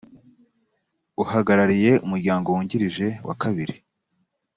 uhagarariye umuryango wungirije wa kabiri